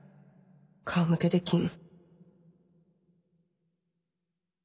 顔向けできん。